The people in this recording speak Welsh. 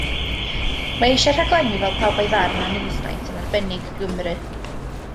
Mae eisiau rhaglenni fel Pawb a'i Farn a Newsnight yn arbennig i Gymru.